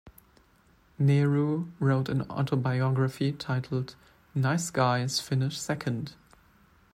Nehru wrote an autobiography titled "Nice Guys Finish Second".